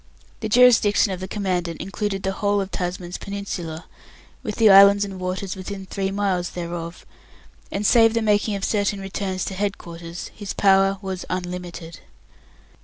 The jurisdiction of the Commandant included the whole of Tasman's Peninsula, with the islands and waters within three miles thereof; and save the making of certain returns to head quarters, his power was unlimited.